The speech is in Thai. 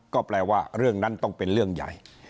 ก็แปลว่าเรื่องนั้นต้องเป็นเรื่องใหญ่